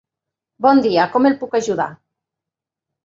Bon dia, com el puc ajudar?